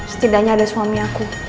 setidaknya ada suami aku